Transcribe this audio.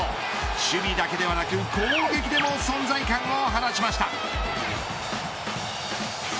守備だけではなく、攻撃でも存在感を放ちました。